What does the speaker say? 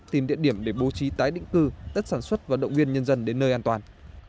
tìm địa điểm để bố trí tái định cư tất sản xuất và động viên nhân dân đến nơi an toàn